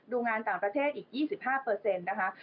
ดูงานต่างประเทศอีก๒๕นะคะ